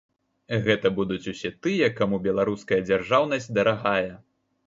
Гэта будуць усе тыя, каму беларуская дзяржаўнасць дарагая.